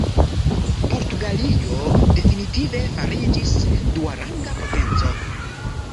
Portugalio definitive fariĝis duaranga potenco.